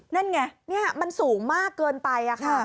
นั่นไงนี่มันสูงมากเกินไปค่ะ